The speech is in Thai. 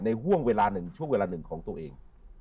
ห่วงเวลาหนึ่งช่วงเวลาหนึ่งของตัวเอง